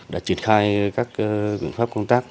đã triển khai các quyền pháp công tác